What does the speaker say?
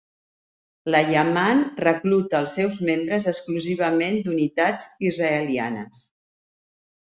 La Yamam recluta els seus membres exclusivament d'unitats israelianes.